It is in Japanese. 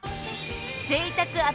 ［ぜいたく